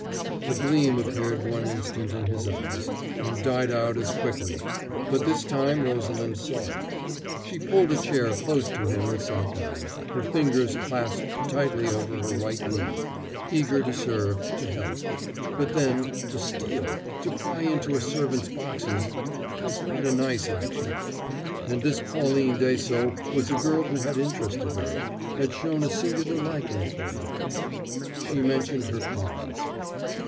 A gleam appeared one instant in his eyes, and died out as quickly, but this time Rosalind saw it. She pulled a chair close to him and sat down, her fingers clasped tightly over her right knee eager to serve, to help. But, then, to steal, to pry into a servant's boxes, that was not a nice action. And this Pauline Dessaulx was a girl who had interested her, had shown a singular liking for her. She mentioned her qualms.